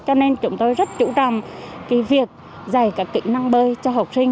cho nên chúng tôi rất chú trọng cái việc dạy các kỹ năng bơi cho học sinh